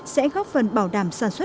sẽ góp phần bảo đảm sản xuất